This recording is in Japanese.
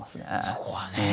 そこはね。